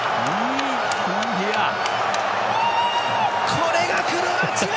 これがクロアチア！